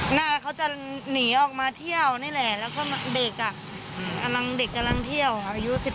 หน้าเขาจะหนีออกมาเที่ยวนี่แหละแล้วก็เด็กกำลังเด็กกำลังเที่ยวอายุ๑๓